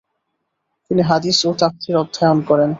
তিনি হাদিস ও তাফসীর অধ্যয়ন করেন।